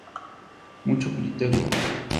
Mucho criterio.